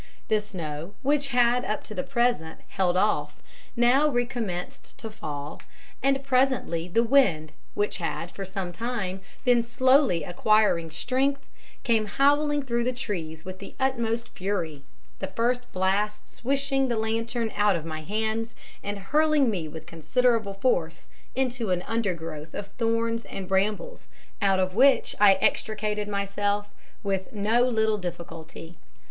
The snow, which had up to the present held off, now recommenced to fall, and presently the wind, which had for some time been slowly acquiring strength, came howling through the trees with the utmost fury, the first blast swishing the lantern out of my hands and hurling me with considerable force into an undergrowth of thorns and brambles, out of which I extricated myself with no little difficulty.